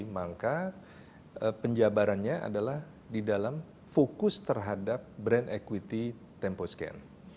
maka penjabarannya adalah di dalam fokus terhadap brand equity tempo scan